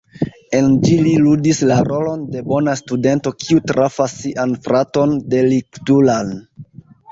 En ĝi li ludis la rolon de bona studento kiu trafas sian fraton deliktulan.